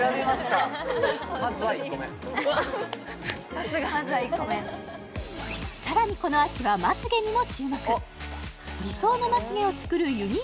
さすがまずは１個目さらにこの秋はまつ毛にも注目